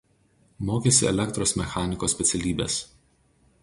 Mokėsi elektros mechaniko specialybės.